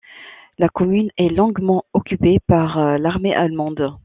La commune est longuement occupée par l'armée allemande.